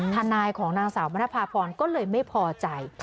ทนายของนางสาวมณภาพรก็เลยไม่พอใจ